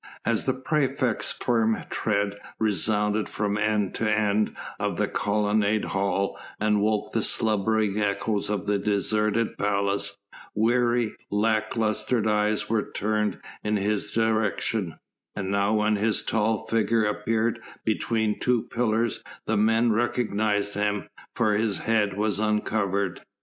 As the praefect's firm tread resounded from end to end of the colonnaded hall and woke the slumbering echoes of the deserted palace, weary, lack lustre eyes were turned in his direction, and now when his tall figure appeared between two pillars the men recognised him, for his head was uncovered.